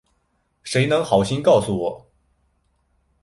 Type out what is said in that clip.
谁能好心告诉我